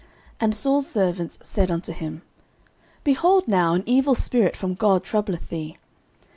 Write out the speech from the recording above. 09:016:015 And Saul's servants said unto him, Behold now, an evil spirit from God troubleth thee.